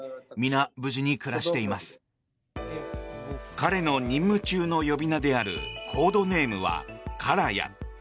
彼の任務中の呼び名であるコードネームはカラヤ。